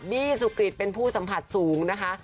ี้สุกริตเป็นผู้สัมผัสสูงนะคะ